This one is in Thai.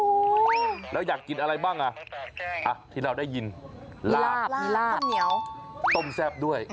โอ้โฮแล้วอยากกินอะไรบ้างอ่ะที่เราได้ยินลาบต้มแซ่บด้วย